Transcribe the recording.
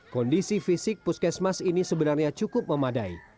kondisi fisik puskesmas ini sebenarnya cukup memadai